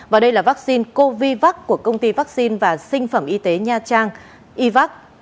và đây là vaccine covivac của công ty vaccine và sinh phẩm y tế nha trang ivac